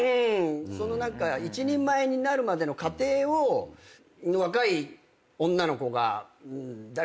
その何か一人前になるまでの過程を若い女の子が「誰々君頑張って！」っていう。